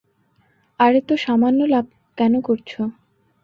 আরে তো সামান্য লাভ কেন করছো?